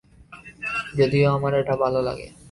যদিও আমার এটা ভালো লাগে।